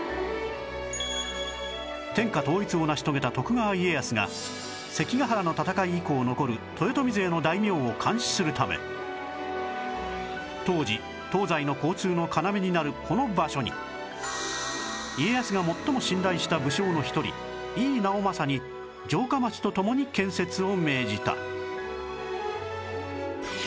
天下統一を成し遂げた徳川家康が関ヶ原の戦い以降残る当時東西の交通の要になるこの場所に家康が最も信頼した武将の一人井伊直政に城下町とともに建設を命じた